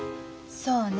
そうね